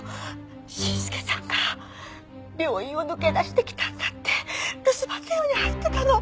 伸介さんが病院を抜け出してきたんだって留守番電話に入ってたの。